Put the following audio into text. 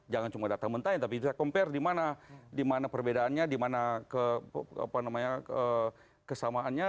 jangan cuma data mentahnya tapi kita compare dimana perbedaannya dimana kesamaannya